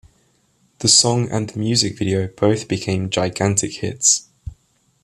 The song and the music video both became gigantic hits.